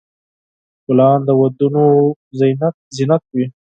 ګلان د ودونو زینت وي.